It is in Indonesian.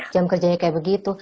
jam kerjanya kayak begitu